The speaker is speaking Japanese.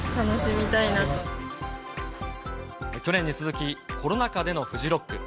去年に続き、コロナ禍でのフジロック。